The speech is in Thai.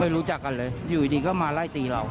รู้จักกันเลยอยู่ดีก็มาไล่ตีเรา